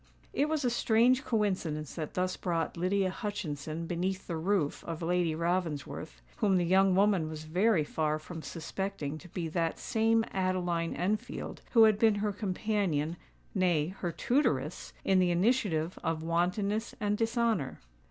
It was a strange coincidence that thus brought Lydia Hutchinson beneath the roof of Lady Ravensworth, whom the young woman was very far from suspecting to be that same Adeline Enfield who had been her companion—nay, her tutoress—in the initiative of wantonness and dishonour.